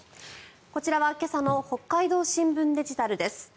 こちらは今朝の北海道新聞デジタルです。